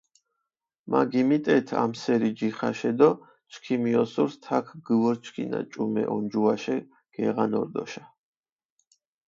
მა გიმიტეთ ამჷსერი ჯიხაშე დო ჩქიმი ოსურს თაქ გჷვორჩქინა ჭუმე ონჯუაშე გეღან ორდოშა.